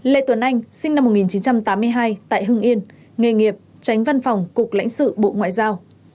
lê tuấn anh sinh năm một nghìn chín trăm tám mươi hai tại hưng yên nghề nghiệp tránh văn phòng cục lãnh sự bộ ngoại giao